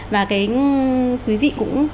và cái quý vị cũng